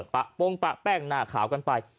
ปุ้งปรากแป้งหน้าข่าวกันไป